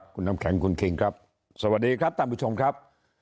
คุณน้ำแข็งคุณคิงครับสวัสดีครับท่านผู้ชมครับ